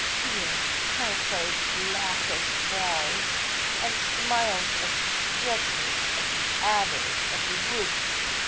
Here hearts are as black as brows, and smiles as treacherous as the adders of the wood.